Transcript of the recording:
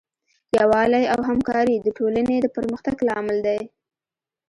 یووالی او همکاري د ټولنې د پرمختګ لامل دی.